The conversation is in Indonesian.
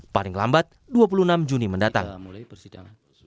paling lambat dua puluh enam juni mendatang